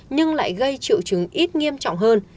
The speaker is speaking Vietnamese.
nhưng lại gây triệu chứng ít nghiêm trọng hơn